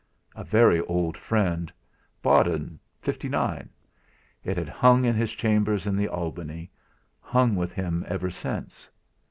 A very old friend bought in '.ifty nine. It had hung in his chambers in the Albany hung with him ever since.